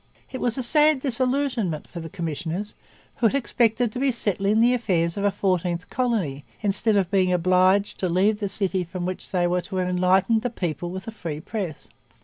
It was a sad disillusionment for the commissioners, who had expected to be settling the affairs of a fourteenth colony instead of being obliged to leave the city from which they were to have enlightened the people with a free press.